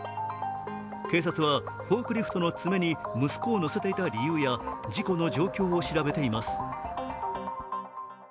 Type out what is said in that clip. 警察はフォークリフトの爪に息子を乗せていた理由や事故の状況を調べています。